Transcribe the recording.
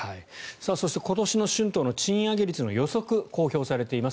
そして今年の春闘の賃上げ率の予測公表されています。